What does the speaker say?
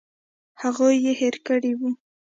هغوی یې هېر کړي وو.